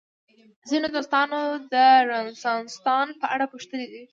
ځینو دوستانو د رنسانستان په اړه پوښتلي دي.